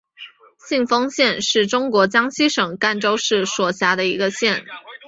信丰县是中国江西省赣州市所辖的一个县。